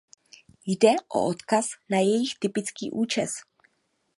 Jde o odkaz na jejich typický účes.